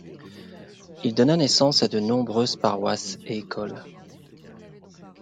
Il donna naissance à de nombreuses paroisses et écoles.